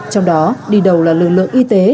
trong đó đi đầu là lực lượng y tế